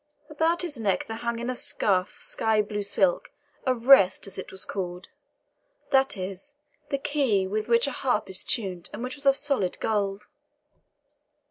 About his neck there hung in a scarf of sky blue silk a WREST as it was called that is, the key with which a harp is tuned, and which was of solid gold.